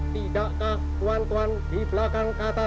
tidakkah tuan tuan di belakang kata tuan tuan itu